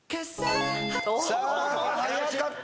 さあ早かった。